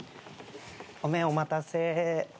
ごめんお待たせ。